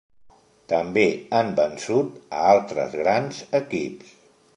També han vençut a altres grans equips.